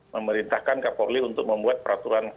memerintahkan kapolri untuk membuat peraturan